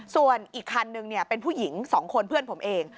ส่วนอีกคันนึงเป็นผู้หญิง๒คนเพื่อนผมเอง